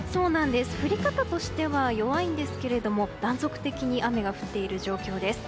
降り方としては弱いんですが断続的に雨が降っている状況です。